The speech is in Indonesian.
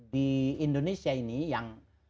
di indonesia ini yang